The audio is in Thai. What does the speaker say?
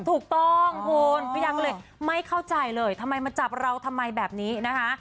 ถูกต้องคุณพี่ดาก็เลยไม่เข้าใจเลยทำไมมาจับเราทำไมแบบนี้นะคะ